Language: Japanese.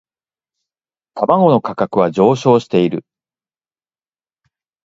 卵の価格は上昇している